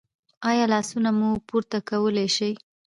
ایا لاسونه مو پورته کولی شئ؟